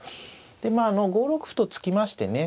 でまあ５六歩と突きましてね